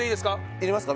いりますか？